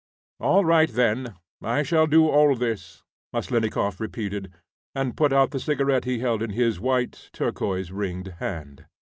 "All right, then. I shall do all this," Maslennikoff repeated, and put out the cigarette he held in his white, turquoise ringed hand.